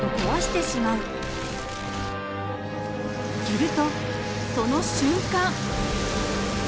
するとその瞬間！